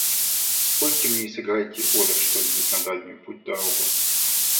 Спойте мне и сыграйте, Оля, что-нибудь на дальнюю путь-дорогу.